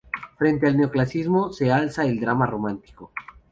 Frente al neoclasicismo, se alza el drama romántico.